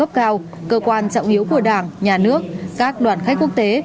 các đồng chí lãnh đạo cấp cao cơ quan trọng yếu của đảng nhà nước các đoàn khách quốc tế